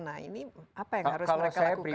nah ini apa yang harus mereka lakukan